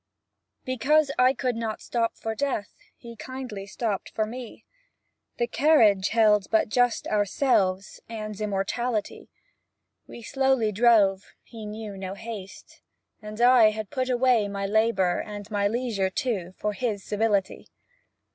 Because I could not stop for Death, He kindly stopped for me; The carriage held but just ourselves And Immortality. We slowly drove, he knew no haste, And I had put away My labor, and my leisure too, For his civility.